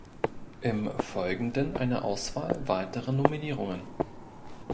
Im Folgenden eine Auswahl weiterer Nominierungen.